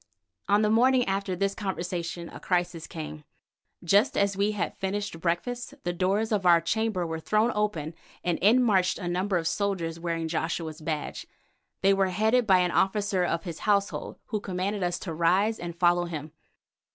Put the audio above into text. On the morning after this conversation a crisis came. Just as we had finished breakfast the doors of our chamber were thrown open and in marched a number of soldiers wearing Joshua's badge. They were headed by an officer of his household, who commanded us to rise and follow him.